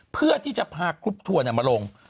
เพื่อที่จะพากรุ๊ปทัวร์มาลง